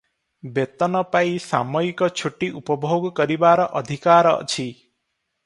ବେତନ ପାଇ ସାମୟିକ ଛୁଟି ଉପଭୋଗ କରିବାର ଅଧିକାର ଅଛି ।